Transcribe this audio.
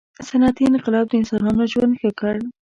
• صنعتي انقلاب د انسانانو ژوند ښه کړ.